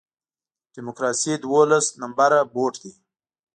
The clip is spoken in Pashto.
ډیموکراسي دولس نمره بوټ دی.